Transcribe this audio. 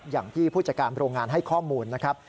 อย่างที่ผู้จัดการโรงงานให้ข้อมูลนะครับ